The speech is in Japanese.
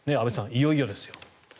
いよいよですよ。